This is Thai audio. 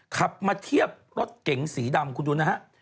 ขับมาเทียบรถเก๋งสีดำคุณดูนะฮะ